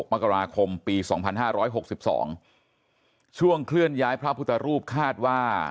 มกราคมปี๒๕๖๒ช่วงเคลื่อนย้ายพระพุทธรูปคาดว่า